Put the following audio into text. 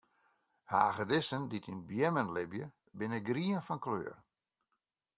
Hagedissen dy't yn beammen libje, binne grien fan kleur.